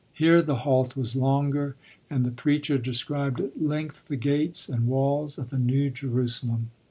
Here the halt was longer, and the preacher described at length the gates and walls of the New Jerusalem.